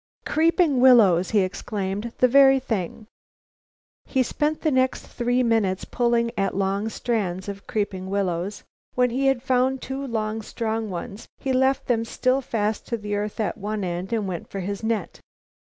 "Creeping willows!" he exclaimed. "The very thing!" He spent the next three minutes pulling at long strands of creeping willows. When he had found two long, strong ones, he left them still fast to earth at one end and went for his net.